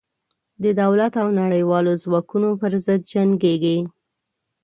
د دولت او نړېوالو ځواکونو پر ضد جنګېږي.